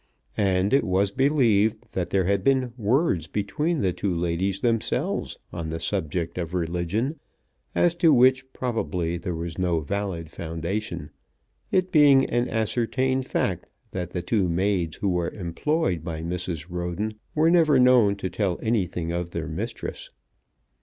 And it was believed that there had been "words" between the two ladies themselves on the subject of religion, as to which probably there was no valid foundation, it being an ascertained fact that the two maids who were employed by Mrs. Roden were never known to tell anything of their mistress.